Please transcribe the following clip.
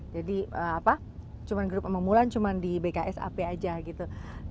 jadi apa cuman grup mbak mulan cuman di bksap aja gitu